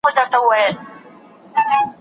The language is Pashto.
ځینې خلګ د هویت له بحران سره مخ کېږي.